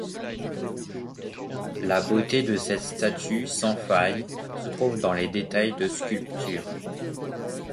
La beauté de cette statue sans faille se trouve dans les détails de sculpture.